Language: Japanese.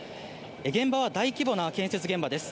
現場は大規模な建設現場です。